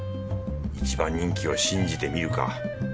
一番人気を信じてみるか。